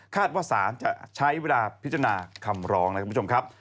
ว่าสารจะใช้เวลาพิจารณาคำร้องนะครับคุณผู้ชมครับ